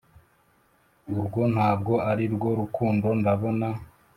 urwo ntabwo arirwo rukundo ndabona